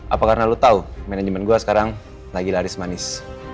apa karena lo tahu manajemen gue sekarang lagi laris manis